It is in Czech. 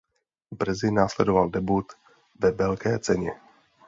Brzy následoval debut ve velké ceně.